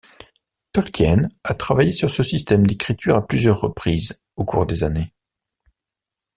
Tolkien a travaillé sur ce système d'écriture à plusieurs reprises au cours des années.